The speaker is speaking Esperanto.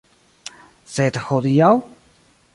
Sed hodiaŭ?